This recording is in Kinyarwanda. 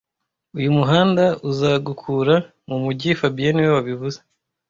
Uyu muhanda uzagukura mu mujyi fabien niwe wabivuze